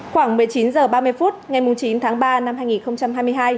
khoảng một mươi chín h ba mươi phút ngày chín tháng ba năm hai nghìn hai mươi hai